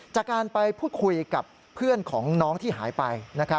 จากการไปพูดคุยกับเพื่อนของน้องที่หายไป